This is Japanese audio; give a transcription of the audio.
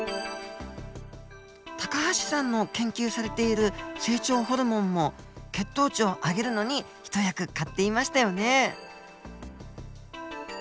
高橋さんの研究されている成長ホルモンも血糖値を上げるのに一役買っていましたよね。